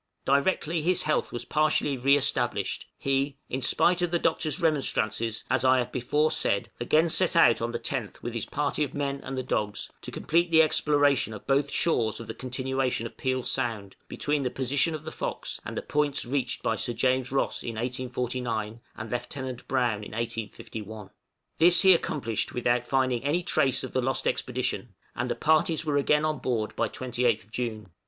Directly his health was partially re established, he, in spite of the Doctor's remonstrances, as I have before said, again set out on the 10th with his party of men and the dogs, to complete the exploration of both shores of the continuation of Peel Sound, between the position of the 'Fox' and the points reached by Sir James Ross in 1849, and Lieutenant Browne in 1851. This he accomplished without finding any trace of the lost expedition, and the parties were again on board by 28th June.